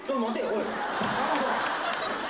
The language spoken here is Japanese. おい！